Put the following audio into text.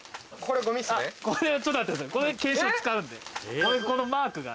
これはちょっと待ってください。